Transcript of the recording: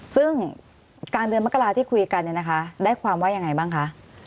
ซึ่งการเดือนมกราที่คุยกันเนี่ยนะคะได้ความว่ายังไงบ้างคะ